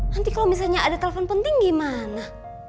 nanti kalau misalnya ada telepon penting gimana